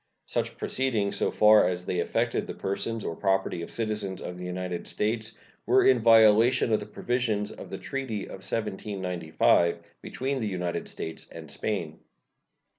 Such proceedings, so far as they affected the persons or property of citizens of the United States, were in violation of the provisions of the treaty of 1795 between the United States and Spain.